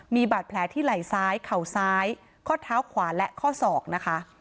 มีบาดแผลที่ไหล่ซ้ายเข่าซ้ายข้อเท้าขวาและข้อศอกนะคะ